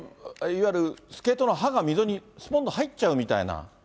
いわゆるスケートの刃が溝にすぽんと入っちゃうみたいな。